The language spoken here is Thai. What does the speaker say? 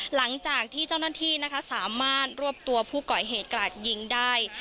หลังจากที่เจ้าหน้าที่นะคะสามารถรวบตัวผู้ก่อเหตุกราดยิงได้